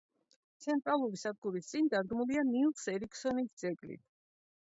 ცენტრალური სადგურის წინ დადგმულია ნილს ერიქსონის ძეგლი.